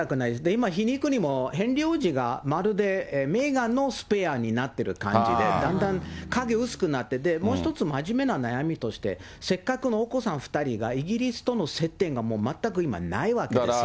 今、皮肉にもヘンリー王子がまるでメーガンのスペアになってる感じで、だんだん影薄くなって、もう一つ、真面目な悩みとして、せっかくのお子さん２人が、イギリスとの接点がもう全く今ないわけですよ。